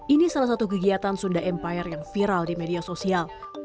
ini salah satu kegiatan sunda empire yang viral di media sosial